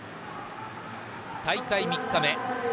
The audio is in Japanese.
大会３日目。